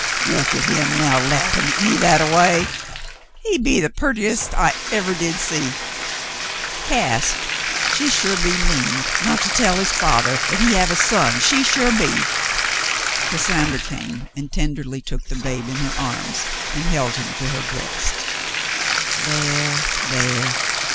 "Look at him now, laughin' at me that a way. He be the peartest I eveh did see. Cass, she sure be mean not to tell his fathah 'at he have a son, she sure be." Cassandra came and tenderly took the babe in her arms and held him to her breast. "There, there.